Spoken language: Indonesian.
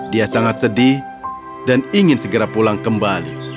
dia sangat sedih dan ingin segera pulang kembali